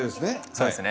そうですね。